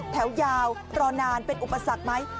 แถวยาวรอนานเป็นอุปสรรคไหม